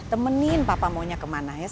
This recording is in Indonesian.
tapi dia kira gunanya sama ag wires